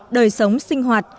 đời sống sinh hoạt